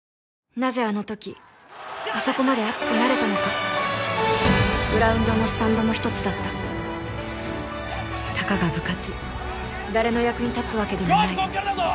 なぜあの時あそこまで熱くなれたのかグラウンドもスタンドも一つだったたかが部活誰の役に立つわけでもない勝負こっからだぞ！